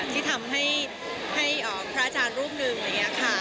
ที่ทำให้พระอาจารย์รูปหนึ่งอะไรอย่างนี้ค่ะ